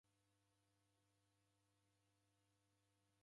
Kwaela loli